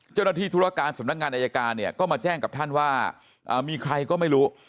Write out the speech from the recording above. ธุรการสำนักงานอายการเนี่ยก็มาแจ้งกับท่านว่ามีใครก็ไม่รู้